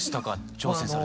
挑戦されて。